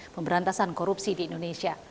pemberantasan korupsi di indonesia